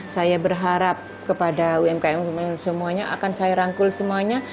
saya berharap kepada umkm semuanya akan saya rangkul semuanya